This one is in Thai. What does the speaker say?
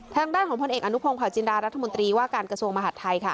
ทางด้านของพลเอกอนุพงศาจินดารัฐมนตรีว่าการกระทรวงมหาดไทยค่ะ